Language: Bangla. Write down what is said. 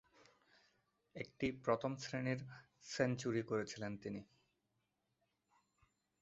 একটি প্রথম-শ্রেণীর সেঞ্চুরি করেছিলেন তিনি।